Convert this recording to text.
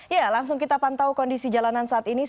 ya langsung kita pantau kondisi jalanan saat ini